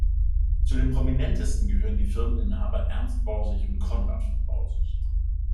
Zu den prominentesten gehörten die Firmeninhaber Ernst Borsig und Conrad von Borsig.